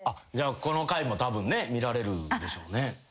じゃあこの回もたぶんね見られるでしょうね。